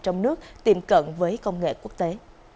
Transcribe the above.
trong nước tìm cận với công nghệ quốc tế